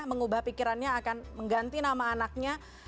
mengubah pikirannya akan mengganti nama anaknya